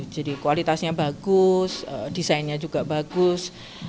jadi kualitasnya bagus desainnya juga bagus